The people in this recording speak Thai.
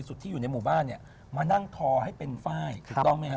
บริสุทธิ์ที่อยู่ในหมู่บ้านเนี่ยมานั่งทอให้เป็นไฟ่ถูกต้องไหมครับ